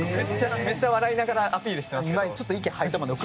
めっちゃ笑いながらアピールしてますよ。